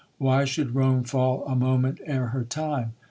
Why should Rome fall a moment ere her time